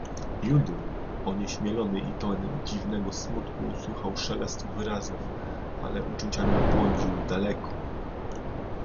"Judym onieśmielony i pełen dziwnego smutku słuchał szelestu wyrazów, ale uczuciami błądził daleko."